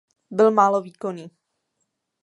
Byl málo výkonný.